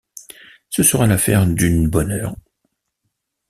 Ce sera l’affaire d’une bonne heure.